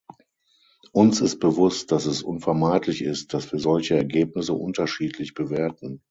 Uns ist bewusst, dass es unvermeidlich ist, dass wir solche Ergebnisse unterschiedlich bewerten.